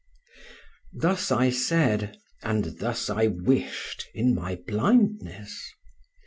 Thus I said, and thus I wished, in my blindness.